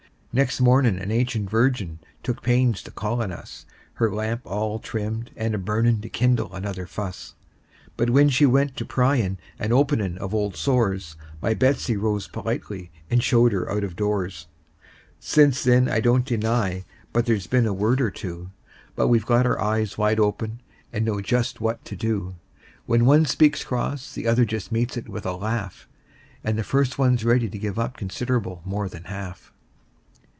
Next mornin' an ancient virgin took pains to call on us, Her lamp all trimmed and a burnin' to kindle another fuss; But when she went to pryin' and openin' of old sores, My Betsey rose politely, and showed her out of doors. "MY BETSEY ROSE POLITELY, AND SHOWED HER OUT OF DOORS." Since then I don't deny but there's been a word or two; But we've got our eyes wide open, and know just what to do: When one speaks cross the other just meets it with a laugh, And the first one's ready to give up considerable more than half.